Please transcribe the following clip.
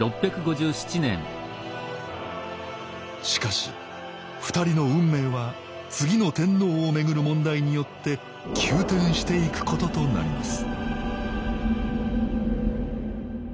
しかし２人の運命は次の天皇を巡る問題によって急転していくこととなります